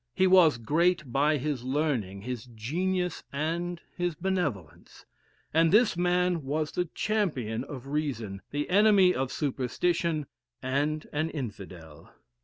He was great by his learning, his genius, and his benevolence and this man was the champion of Reason, the enemy of superstition, and an "Infidel."